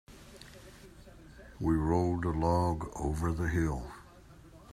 We rolled the log over the hill.